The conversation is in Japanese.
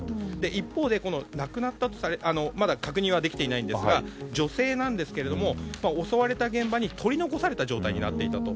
一方で、亡くなったとされているまだ確認はできていないんですが女性なんですけれども襲われた現場に取り残された状態になっていたと。